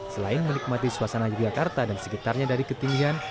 selain menikmati suasana yogyakarta dan sekitarnya dari ketinggian